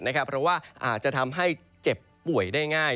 เพราะว่าอาจจะทำให้เจ็บป่วยได้ง่าย